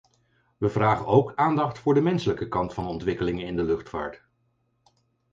We vragen ook aandacht voor de menselijke kant van ontwikkelingen in de luchtvaart.